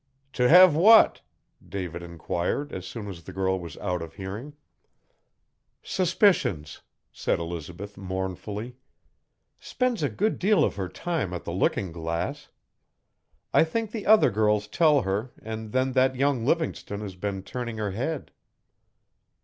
'To have what?' David enquired as soon as the girl was out of hearing. 'Suspicions,' said Elizabeth mournfully. 'Spends a good deal of her time at the looking glass. I think the other girls tell her and then that young Livingstone has been turning her head.'